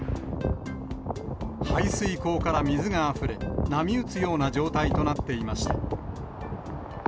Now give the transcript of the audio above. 排水溝から水があふれ、波打つような状態となっていました。